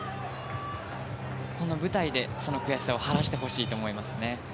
この舞台でその悔しさを晴らしてほしいと思います。